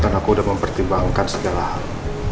dan aku udah mempertimbangkan segala hal